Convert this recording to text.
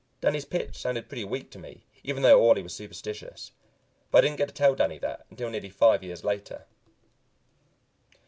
Danny's pitch sounded pretty weak to me, even though Orley was superstitious, but I didn't get to tell Danny that until nearly five years later.